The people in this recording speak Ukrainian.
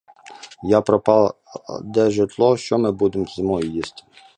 Як пропаде жито, що ми будемо зимою їсти?